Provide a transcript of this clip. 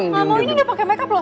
gak mau ini udah pake makeup loh